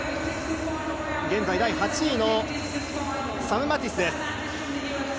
現在第８位のサム・マティスです。